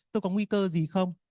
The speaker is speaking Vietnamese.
tôi có nguy cơ gì không